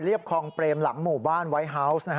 เรียบคลองเตรียมหลังหมู่บ้านไวท์ฮาวส์